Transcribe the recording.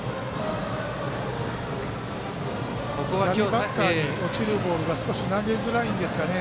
バッターに落ちるボールが少し投げづらいんですかね。